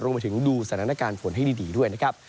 รวมไปถึงดูสถานการณ์ฝนให้ดีด้วยนะครับ